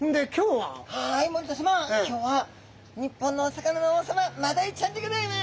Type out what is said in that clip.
はい森田さま！今日は日本のお魚の王様マダイちゃんでギョざいます！